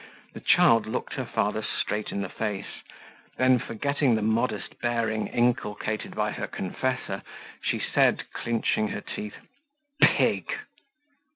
The child looked her father straight in the face; then, forgetting the modest bearing inculcated by her confessor, she said, clinching her teeth: "Pig!"